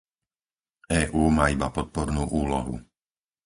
EÚ má iba podpornú úlohu.